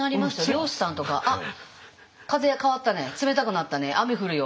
漁師さんとか「あっ風変わったね冷たくなったね雨降るよ」